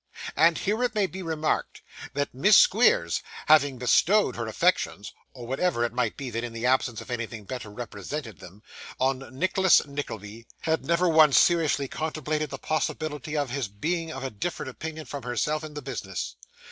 And here it may be remarked, that Miss Squeers, having bestowed her affections (or whatever it might be that, in the absence of anything better, represented them) on Nicholas Nickleby, had never once seriously contemplated the possibility of his being of a different opinion from herself in the business.